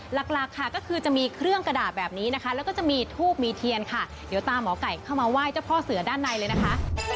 หลักหลักค่ะก็คือจะมีเครื่องกระดาษแบบนี้นะคะแล้วก็จะมีทูบมีเทียนค่ะเดี๋ยวตามหมอไก่เข้ามาไหว้เจ้าพ่อเสือด้านในเลยนะคะ